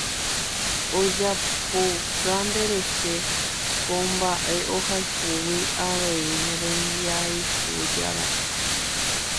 Ojapouka nderehe ko mba'e ohayhúgui avei ne rembiayhujárape.